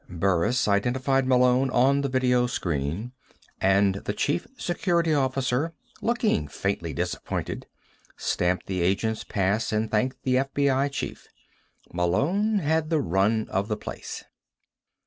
Burris identified Malone on the video screen and the Chief Security Officer, looking faintly disappointed, stamped the agent's pass and thanked the FBI chief. Malone had the run of the place.